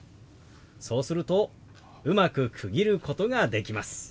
そうするとうまく区切ることができます。